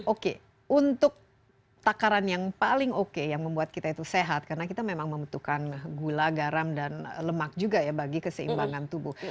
oke untuk takaran yang paling oke yang membuat kita itu sehat karena kita memang membutuhkan gula garam dan lemak juga ya bagi keseimbangan tubuh